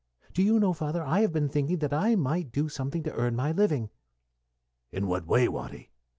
Do you know, father, I have been thinking that I might do something to earn my living." "In what way, Watty?"